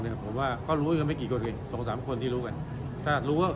ถ้าบอบร่วงหน้าไปก็เหมือนพี่น้องงะวน